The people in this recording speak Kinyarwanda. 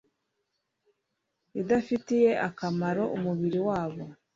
ibidafitiye akamaro umubiri wabo